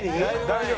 大丈夫？